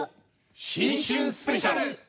「新春スペシャル」。